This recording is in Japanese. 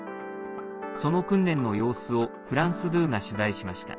その訓練の様子をフランス２が取材しました。